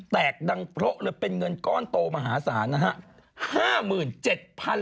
แตกดังเพราะเลยเป็นเงินก้อนโตมหาศาลนะฮะ